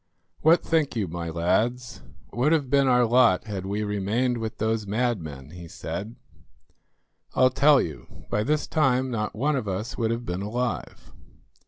"What think you, my lads, would have been our lot had we remained with those madmen?" he said. "I'll tell you; by this time not one of us would have been alive."